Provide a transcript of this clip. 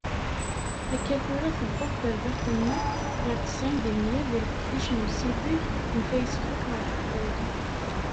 Akka tura tewweḍ terbaɛt-nneɣ ɣer tesɛin di meyya deg leqdic n usideg n Facebook ɣer teqbaylit.